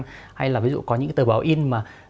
hay là ví dụ có những cái tờ báo in mà